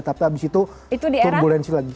tapi abis itu turbulensi lagi